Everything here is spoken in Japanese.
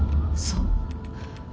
そう。